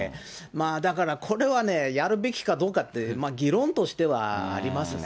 だから、これはね、やるべきかどうかって、議論としてはありますね。